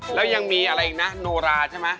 แล้วยังมีอะไรอีกนะโนราใช่ไหม